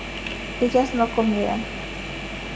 ellas no comieran